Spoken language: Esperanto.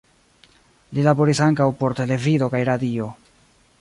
Li laboris ankaŭ por televido kaj radio.